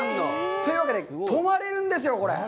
というわけで、泊まれるんですよ、これ。